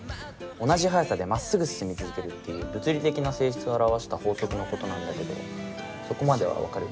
同じ速さでまっすぐ進み続けるっていう物理的な性質を表した法則のことなんだけどそこまでは分かる？